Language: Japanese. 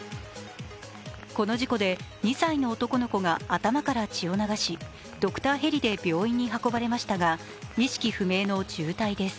この事故で２歳の男の子が頭から血を流しドクターヘリで病院に運ばれましたが意識不明の重体です。